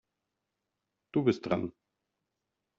Du bist dran.